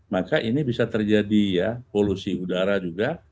maka ini bisa terjadi ya polusi udara juga